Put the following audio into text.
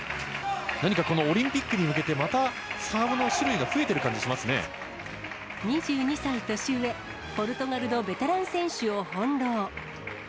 何か、このオリンピックに向けて、また、サーブの種類が増えてる感２２歳年上、ポルトガルのベテラン選手を翻弄。